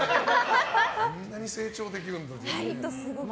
あんなに成長できるんだって。